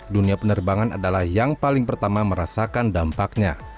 dunia penerbangan adalah yang paling pertama merasakan dampaknya